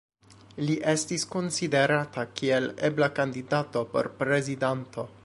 Li estis konsiderata kiel ebla kandidato por prezidanto.